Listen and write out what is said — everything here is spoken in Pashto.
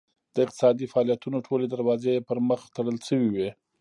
د اقتصادي فعالیتونو ټولې دروازې یې پرمخ تړل شوې وې.